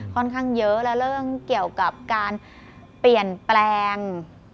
ค่อนข้างเยอะและเรื่องเกี่ยวกับการเปลี่ยนแปลง